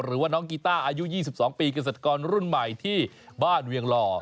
หรือว่าน้องกีต้าอายุ๒๒ปีเกษตรกรรุ่นใหม่ที่บ้านเวียงหล่อ